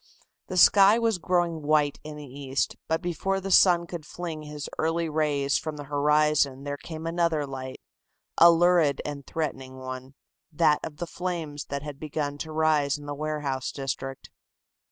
The sky was growing white in the east, but before the sun could fling his early rays from the horizon there came another light, a lurid and threatening one, that of the flames that had begun to rise in the warehouse district.